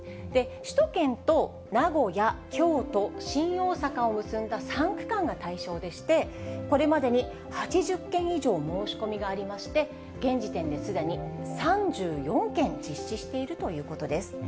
首都圏と名古屋、京都、新大阪を結んだ３区間が対象でして、これまでに８０件以上申し込みがありまして、現時点ですでに３４件実施しているということです。